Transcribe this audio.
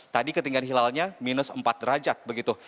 tadi ketinggian hilalnya minus empat derajat begitu